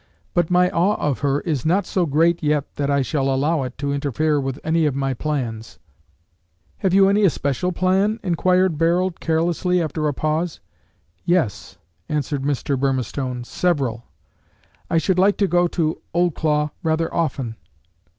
"But my awe of her is not so great yet that I shall allow it to interfere with any of my plans." "Have you any especial plan?" inquired Barold carelessly, after a pause. "Yes," answered Mr. Burmistone, "several. I should like to go to Oldclough rather often."